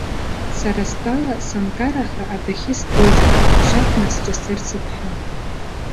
Сара стәала, санкараха, адәахьы сдәылҵит, ԥшак насҿасырсып ҳәа.